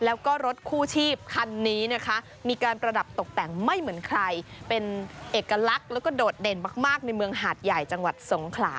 แล้วก็รถคู่ชีพคันนี้นะคะมีการประดับตกแต่งไม่เหมือนใครเป็นเอกลักษณ์แล้วก็โดดเด่นมากในเมืองหาดใหญ่จังหวัดสงขลา